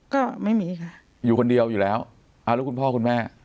ก็ไม่มีค่ะอยู่คนเดียวอยู่แล้วอ่าแล้วคุณพ่อคุณแม่